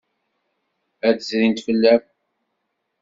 Ad d-zrint fell-am.